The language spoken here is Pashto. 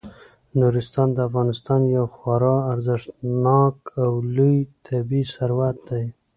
نورستان د افغانستان یو خورا ارزښتناک او لوی طبعي ثروت دی.